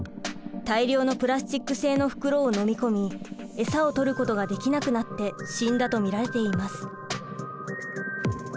大量のプラスチック製の袋を飲み込み餌を捕ることができなくなって死んだと見られています。